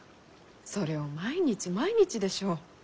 それを毎日毎日でしょ？